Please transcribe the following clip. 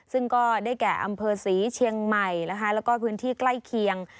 ซึ่งก็ได้แก่อำเภอศรีเชียงใหม่แล้วก็พื้นที่ใกล้เคียง